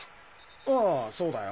ああそうだよ